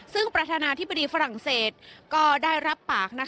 ซึ่งประธานาธิบดีฝรั่งเศสก็ได้รับปาก